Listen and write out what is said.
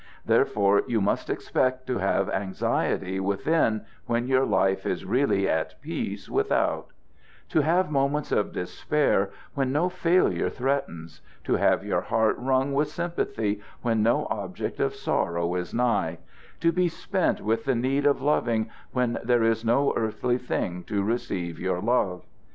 Therefore you must expect to have anxiety within when your life is really at peace without; to have moments of despair when no failure threatens; to have your heart wrung with sympathy when no object of sorrow is nigh; to be spent with the need of loving when there is no earthly thing to receive your love.